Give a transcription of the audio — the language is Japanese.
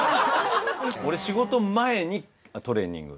俺仕事前にトレーニング。